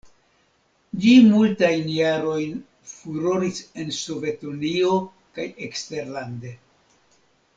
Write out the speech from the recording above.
Ĝi multajn jarojn furoris en Sovetunio kaj eksterlande.